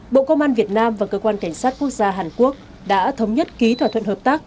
bộ công an việt nam và cơ quan cảnh sát quốc gia hàn quốc đã thống nhất ký thỏa thuận hợp tác